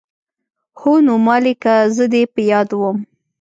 هو نو مالې که زه دې په ياده وم.